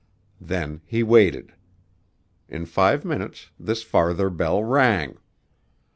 Then he waited. In five minutes this farther bell rang.